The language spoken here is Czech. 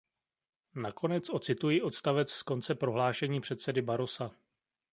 Nakonec ocituji odstavec z konce prohlášení předsedy Barrosa.